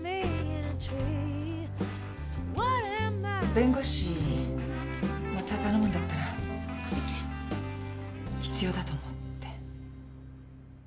・弁護士また頼むんだったら必要だと思って。